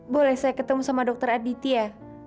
boleh saya ketemu sama dokter aditya